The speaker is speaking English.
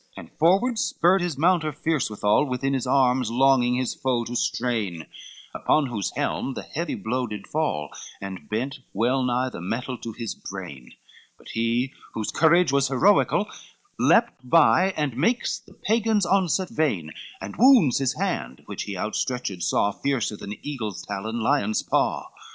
XCVI And forward spurred his mounture fierce withal, Within his arms longing his foe to strain, Upon whose helm the heavy blow did fall, And bent well nigh the metal to his brain: But he, whose courage was heroical, Leapt by, and makes the Pagan's onset vain, And wounds his hand, which he outstretched saw, Fiercer than eagles' talon, lions' paw.